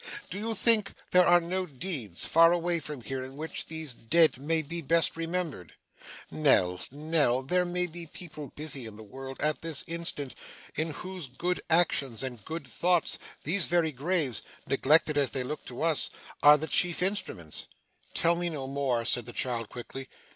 Do you think there are no deeds, far away from here, in which these dead may be best remembered? Nell, Nell, there may be people busy in the world, at this instant, in whose good actions and good thoughts these very graves neglected as they look to us are the chief instruments.' 'Tell me no more,' said the child quickly.